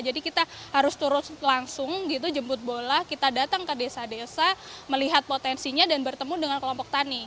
jadi kita harus turun langsung gitu jemput bola kita datang ke desa desa melihat potensinya dan bertemu dengan kelompok tani